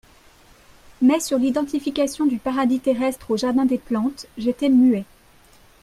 Mais sur l'identification du Paradis terrestre au Jardin des Plantes, j'étais muet.